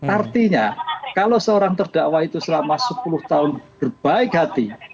artinya kalau seorang terdakwa itu selama sepuluh tahun berbaik hati